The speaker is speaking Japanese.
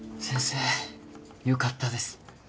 先生良かったです。